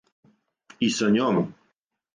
И са њом?